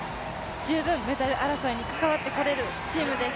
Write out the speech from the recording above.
十分メダル争いに関わってこれるチームです。